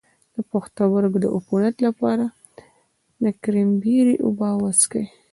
د پښتورګو د عفونت لپاره د کرینبیري اوبه وڅښئ